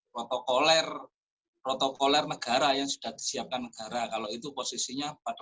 protokol er protokol er negara yang sudah disiapkan negara kalau itu posisinya pada